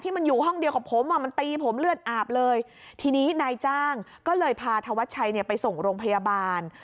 มันอยู่ห้องเดียวกับผมอ่ะมันตีผมเลือดอาบเลยทีนี้นายจ้างก็เลยพาธวัชชัยเนี่ยไปส่งโรงพยาบาล